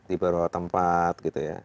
di beberapa tempat